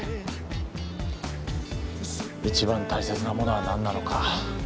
一番大切なものは何なのか。